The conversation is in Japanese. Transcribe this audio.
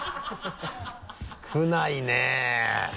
少ないねぇ。